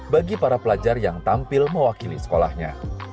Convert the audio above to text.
bagi para pelajar yang tampil mewakili sekolahnya